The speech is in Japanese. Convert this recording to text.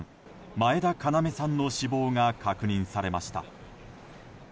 前田要さんの死亡が確認されました。